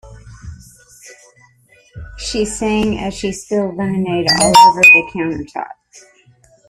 She sang as she spilled lemonade all over the countertop.